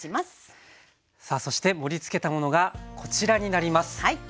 さあそして盛りつけたものがこちらになります。